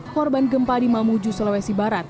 korban gempa di mamuju sulawesi barat